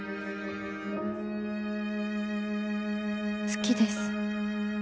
「好きです。